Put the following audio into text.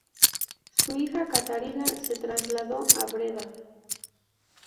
Su hija Catharina se trasladó a Breda.